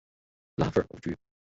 拉斐尔故居。